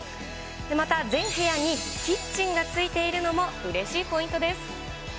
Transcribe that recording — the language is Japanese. また、全部屋にキッチンがついているのも、うれしいポイントです。